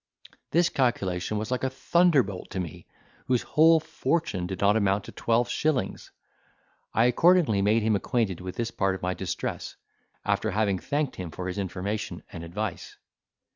This calculation was like a thunderbolt to me, whose whole fortune did not amount to twelve shillings. I accordingly made him acquainted with this part of my distress, after having thanked him for his information and advice.